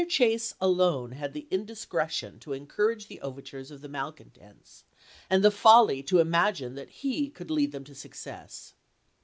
Chase alone had the indiscre tion to encourage the overtures of the malcontents, and the folly to imagine that he could lead them to success.